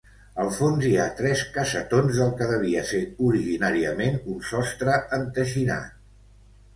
Al fons hi ha tres cassetons del que devia ser originàriament un sostre enteixinat.